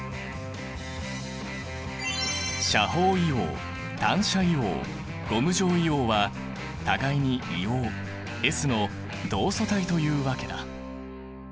斜方硫黄単斜硫黄ゴム状硫黄は互いに硫黄Ｓの同素体というわけだ。